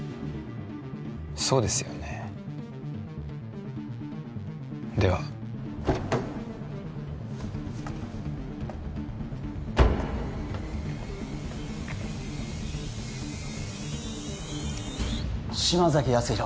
そうですよねでは嶋崎康弘